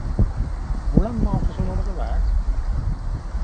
Hoe lang mogen ze worden bewaard?